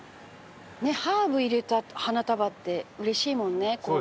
ハーブ入れた花束って嬉しいもんね。